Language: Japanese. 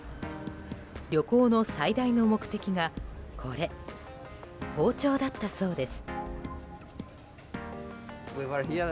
旅行の最大の目的がこれ包丁だったそうです。